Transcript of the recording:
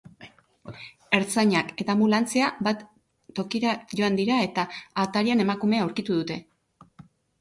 Ertzainak eta anbulantzia bat tokira joan dira eta atarian emakumea aurkitu dute.